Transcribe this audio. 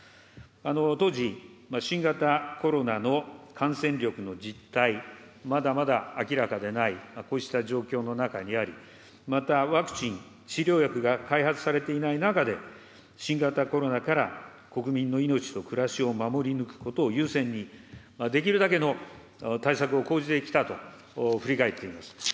当時、新型コロナの感染力の実態、まだまだ明らかでない、こうした状況の中にあり、また、ワクチン、治療薬が開発されていない中で、新型コロナから国民の命と暮らしを守り抜くことを優先に、できるだけの対策を講じてきたと振り返っています。